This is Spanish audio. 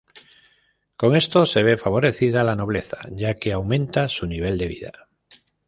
Con esto se ve favorecida la nobleza ya que aumenta su nivel de vida.